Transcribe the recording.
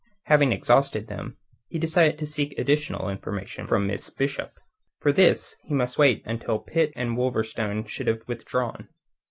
Having exhausted them, he decided to seek additional information from Miss Bishop. For this he must wait until Pitt and Wolverstone should have withdrawn.